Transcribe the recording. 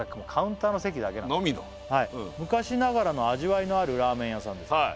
カウンターの席だけなんだのみの「昔ながらの味わいのあるラーメン屋さんです」